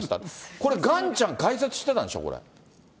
これ、ガンちゃん、解説してたんでしょ、これ。